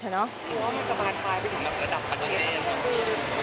หรือว่ามันจะบาดท้ายไปถึงระดับพันธุ์นี้หรือเปล่า